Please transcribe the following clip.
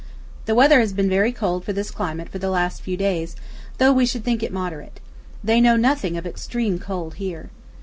The weather has been very cold for this climate for the last few days, though we should think it moderate. They know nothing of extreme cold here.